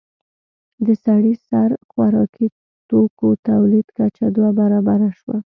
د سړي سر خوراکي توکو تولید کچه دوه برابره شوه.